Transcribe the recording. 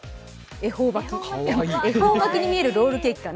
恵方巻に見えるロールケーキかな。